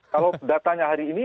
kalau datanya hari ini